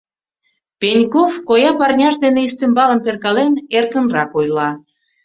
Пеньков, коя парняж дене ӱстембалым перкален, эркынрак ойла.